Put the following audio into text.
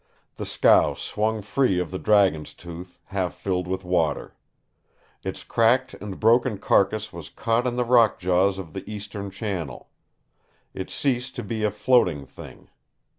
The scow swung free of the Dragon's Tooth, half filled with water. Its cracked and broken carcass was caught in the rock jaws of the eastern channel. It ceased to be a floating thing.